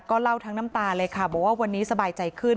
เล่าทั้งน้ำตาเลยค่ะบอกว่าวันนี้สบายใจขึ้น